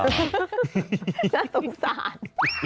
น่าสงสาร